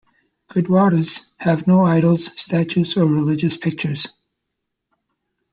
Gurdwaras have no idols, statues, or religious pictures.